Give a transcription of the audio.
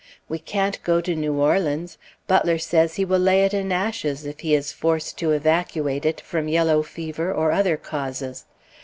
We can't go to New Orleans. Butler says he will lay it in ashes if he is forced to evacuate it, from yellow fever or other causes.